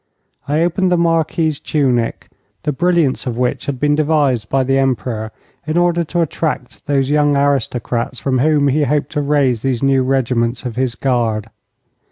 I opened the Marquis's tunic, the brilliance of which had been devised by the Emperor in order to attract those young aristocrats from whom he hoped to raise these new regiments of his Guard.